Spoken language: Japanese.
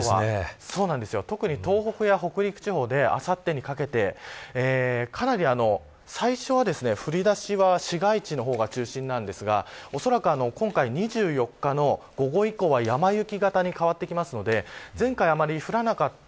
特に東北や北陸地方であさってにかけてかなり、最初は降りだしは市街地が中心ですがおそらく今回２４日の午後以降は山雪型に変わってくるので前回あまり降らなかった